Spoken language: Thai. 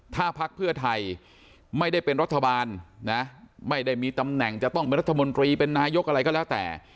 ถ้าพักเพื่อไทยไม่ได้เป็นรัฐบาลนะไม่ได้มีตำแหน่งจะต้องเป็นรัฐมนตรีเป็นนายกอะไรก็แล้วแต่